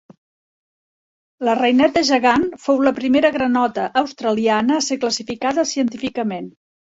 La reineta gegant fou la primera granota australiana a ser classificada científicament.